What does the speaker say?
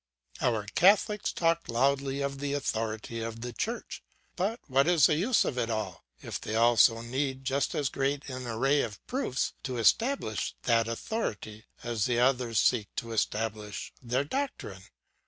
"Our Catholics talk loudly of the authority of the Church; but what is the use of it all, if they also need just as great an array of proofs to establish that authority as the other seeks to establish their doctrine?